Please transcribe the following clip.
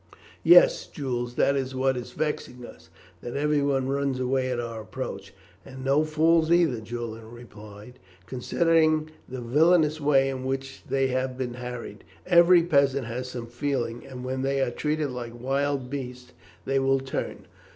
"Yes, Jules, that is what is vexing us, that everyone runs away at our approach." "And no fools either," Julian replied, "considering the villainous way in which they have been harried. Even peasants have some feeling, and when they are treated like wild beasts they will turn.